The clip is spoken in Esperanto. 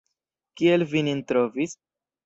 Kiel vi nin trovis?